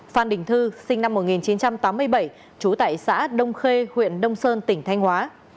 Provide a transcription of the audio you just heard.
phan đình thư sinh năm một nghìn chín trăm tám mươi bảy trú tại xã đông khê huyện đông sơn tỉnh thanh hóa